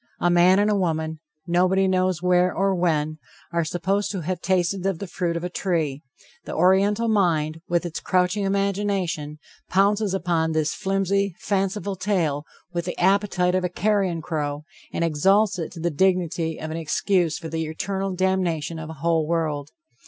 A man and a woman, nobody knows where or when, are supposed to have tasted of the fruit of a tree; the Oriental mind, with its crouching imagination, pounces upon this flimsy, fanciful tale with the appetite of a carrion crow, and exalts it to the dignity of an excuse for the eternal damnation of a whole world.